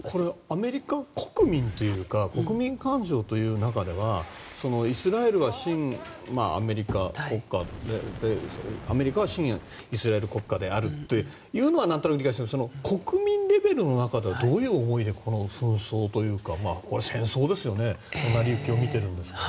アメリカ国民というか国民感情という中ではイスラエルは親アメリカ国家でアメリカは親イスラエル国家というのは何となく理解していますが国民レベルの中ではどういう思いでこの紛争というか戦争を見ているんですか？